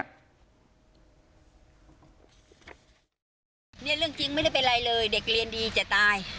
เรื่องจริงไม่ได้เป็นอะไรเลยเด็กเรียนดีจะตาย